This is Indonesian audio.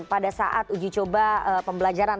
pada saat uji coba pembelajaran